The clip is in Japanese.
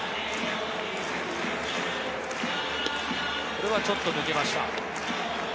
これはちょっと抜けました。